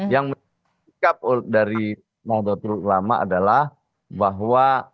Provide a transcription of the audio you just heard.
yang menarik dari nusli ibn abdul ulama adalah bahwa